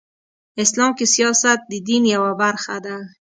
اسلام کې سیاست د دین یوه برخه ده .